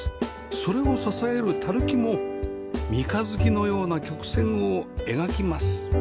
それを支える垂木も三日月のような曲線を描きます